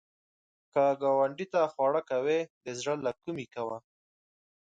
که ګاونډي ته خواړه کوې، د زړه له کومي کوه